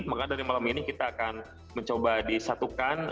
maka dari malam ini kita akan mencoba disatukan